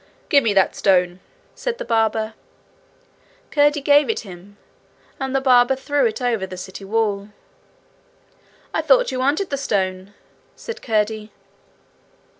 'Give me that stone,' said the barber. Curdie gave it him, and the barber threw it over the city wall. 'I thought you wanted the stone,' said Curdie.